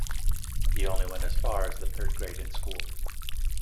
He only went as far as the third grade in school.